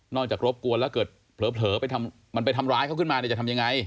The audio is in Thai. จากรบกวนแล้วเกิดเผลอมันไปทำร้ายเขาขึ้นมาเนี่ยจะทำยังไง